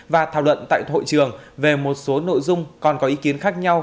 và thảo luận tại hội trường về một số nội dung còn có ý kiến khác nhau